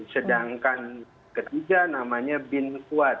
sedangkan ketiga namanya bin kuat